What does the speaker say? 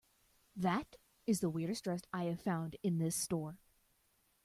That is the weirdest dress I have found in this store.